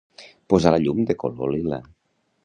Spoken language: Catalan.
Posar la llum de color lila.